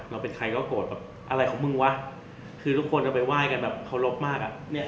เป็นใครก็โกรธแบบอะไรของมึงวะคือทุกคนเอาไปไหว้กันแบบเคารพมากอ่ะ